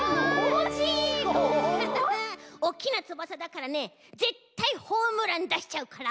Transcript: おっきなつばさだからねぜったいホームランだしちゃうから。